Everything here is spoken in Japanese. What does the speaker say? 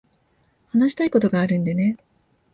話したいことがあるんでね。